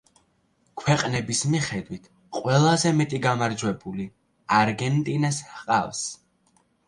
ქვეყნების მიხედვით ყველაზე მეტი გამარჯვებული არგენტინას ჰყავს.